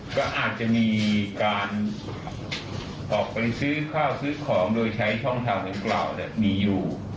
ก็อาจจะมีการออกไปซื้อข้าวซื้อของโดยใช้ช่องทางดังกล่าวมีอยู่